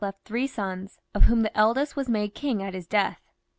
left three sons, of whom the eldest was made king at his death.